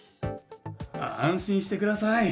安心してください。